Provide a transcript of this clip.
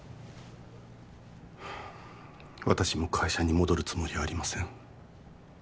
私も会社に戻るつもりはありません